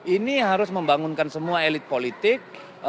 ini harus membangunkan semua elit politik